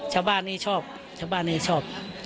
ชาวบ้านนี้ชอบชาวบ้านนี้ชอบ